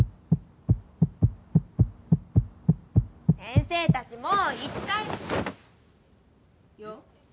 先生たちもう行った。よ。